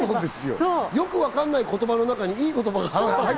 よくわからない言葉の中にいい言葉があるんですよ。